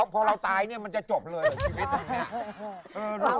พอเราตายเนี่ยมันจะจบเลยแบบนี้